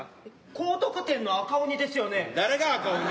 高得点の赤鬼ですよね？